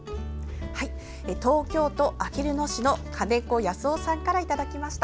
東京都あきる野市の金子保男さんからいただきました。